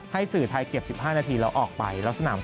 ให้สื่อไทยเก็บ๑๕นาทีแล้วออกไป